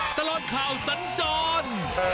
ตลอดข่าวสัญจร